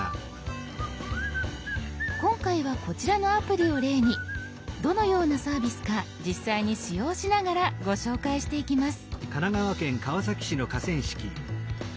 今回はこちらのアプリを例にどのようなサービスか実際に使用しながらご紹介していきます。